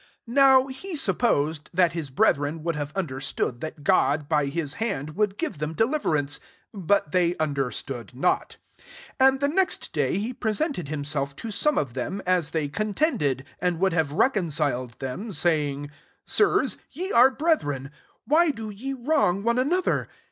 £5 Now he supposed that his brethren would have understood that God by his hand would give them deliverance: but they under stood not. £6 "And the next day he pre sented himself to aome of them, as they contended, and would have reconciled them, saying, ' Sirs, ye are brethren : why do ye wrong one another